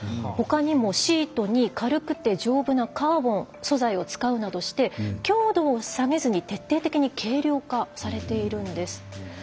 ほかにも、シートに軽くて丈夫なカーボン素材を使うなどして強度を下げずに、徹底的に軽量化されているんです。